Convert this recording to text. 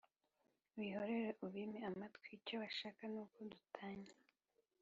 bihorere ubime amatwi icyo bashaka nuku dutanya